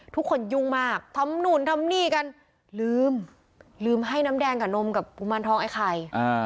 ยุ่งมากทำนู่นทำนี่กันลืมลืมให้น้ำแดงกับนมกับกุมารทองไอ้ไข่